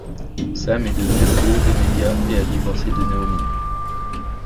Sam est devenu un gourou des médias et a divorcé de Naomi.